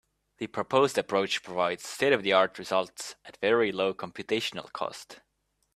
The proposed approach provides state-of-the-art results at very low computational cost.